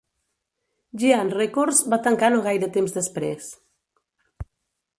Giant Records va tancar no gaire temps després.